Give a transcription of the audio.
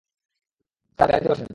Sir, গাড়িতে উঠেন।